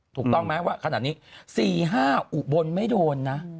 ถูกต้องไหมว่าขนาดนี้๔๕อุบลไม่โดนนะ